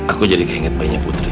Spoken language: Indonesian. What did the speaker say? aku jadi keinget bayinya putri